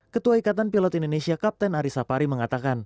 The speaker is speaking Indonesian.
ketua ikatan pilot indonesia kapten arissa pari mengatakan